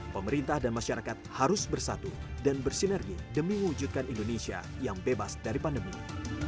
pemerintah dan masyarakat harus bersatu dan bersinergi demi mewujudkan indonesia yang bebas dari pandemi